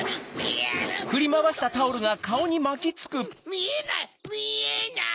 みえないみえない！